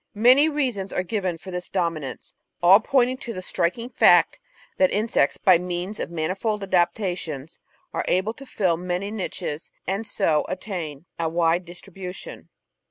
Many reasons are given for this dominance, all pointing to the striking fact that insects, by means of manifold adaptations, are able to fill many niches, and so attain a wide distribution.